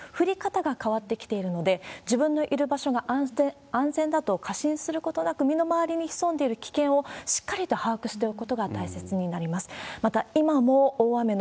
だっと強い雨が降るという、降り方が変わってきているので、自分のいる場所が安全だと過信することなく、身の回りに潜んでる危険をしっかりと把握しておくことが大切になります。